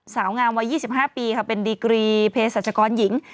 สาวงามวัย๒๕ปีค่ะเป็นดีกรีเพศรัชกรหญิง